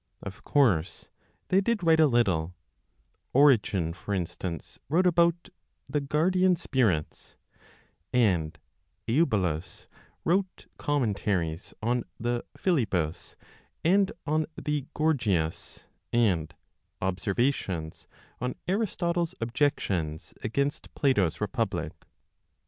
Of course, they did write a little; Origen, for instance, wrote about "The Guardian Spirits"; and Eubulus wrote Commentaries on the Philebus, and on the Gorgias, and "Observations on Aristotle's Objections against Plato's Republic."